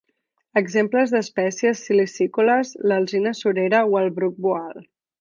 Exemples d'espècies silicícoles: l'alzina surera o el bruc boal.